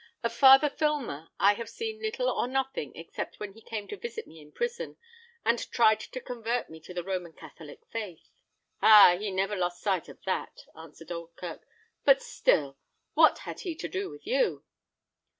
Of Father Filmer, I have seen little or nothing, except when he came to visit me in prison, and tried to convert me to the Roman Catholic faith." "Ah! he never lost sight of that," answered Oldkirk; "but still, what had he to do with you?"